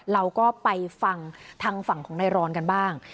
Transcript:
เราก็ไปฟังทางฝั่งของนายรอนกันบ้าง